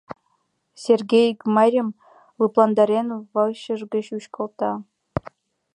— Сергей Гмарьым, лыпландарен, вачыж гыч вӱчкалта.